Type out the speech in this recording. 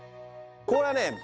これはね